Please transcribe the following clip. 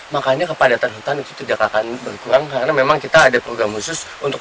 makanya kepadatan hutan itu tidak akan berkurang karena memang kita ada program khusus untuk